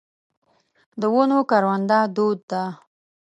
د ونو کرونده دود ده.